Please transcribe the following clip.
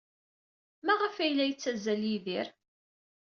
Maɣef ay la yettazzal Yidir?